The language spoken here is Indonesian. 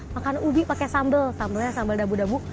makan ubi pakai sambal sambalnya sambal dabu dabuk